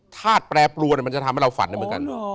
ธาตุแปรปรวนมันจะทำให้เราฝันได้เหมือนกัน